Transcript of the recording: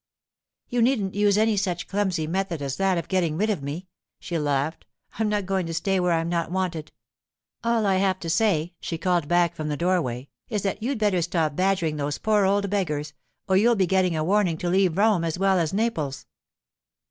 'You needn't use any such clumsy method as that of getting rid of me,' she laughed. 'I'm not going to stay where I'm not wanted. All I have to say,' she called back from the doorway, 'is that you'd better stop badgering those poor old beggars, or you'll be getting a warning to leave Rome as well as Naples.